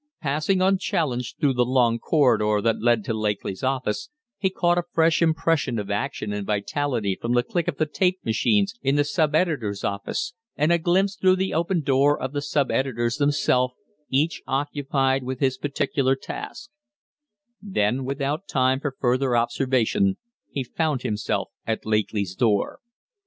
Passing unchallenged through the long corridor that led to Lakely's office, he caught a fresh impression of action and vitality from the click of the tape machines in the subeditors' office, and a glimpse through the open door of the subeditors themselves, each occupied with his particular task; then without time for further observation he found himself at Lakely's door.